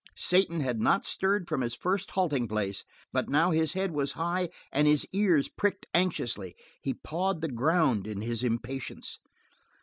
Satan had not stirred from his first halting place, but now his head was high and his ears pricked anxiously. He pawed the ground in his impatience.